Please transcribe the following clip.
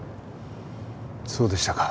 そうでしたか。